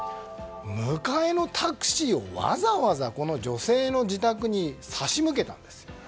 迎えのタクシーをわざわざこの女性の自宅に差し向けたんです。